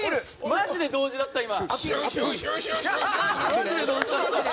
マジで同時だった、今。